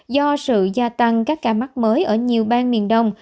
do sự gia tăng các ca mắc mới ở nhiều bang miền đông